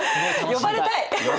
呼ばれたい！